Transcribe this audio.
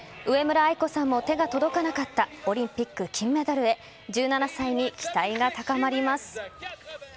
上村愛子さんも手が届かなかったオリンピック金メダルへ１７歳に期待が高まります。